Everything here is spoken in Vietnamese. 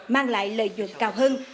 mang lại lợi dụng cao hơn